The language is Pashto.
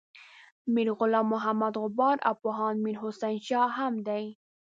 میر غلام محمد غبار او پوهاند میر حسین شاه هم دي.